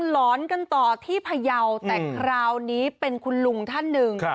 หลอนกันต่อที่พยาวแต่คราวนี้เป็นคุณลุงท่านหนึ่ง